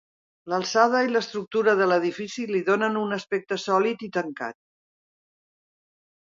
L'alçada i l'estructura de l'edifici li donen un aspecte sòlid i tancat.